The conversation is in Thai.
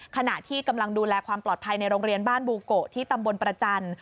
ขณะที่กำลังดูแลความปลอดภัยในโรงเรียนบ้านบูโกะที่ตำบลประจันทร์